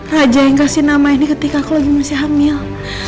raja yang kasih nama ini ketika aku lagi masih hamil